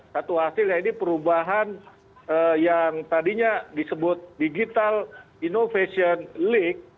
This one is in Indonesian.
satu hasilnya ini perubahan yang tadinya disebut digital innovation league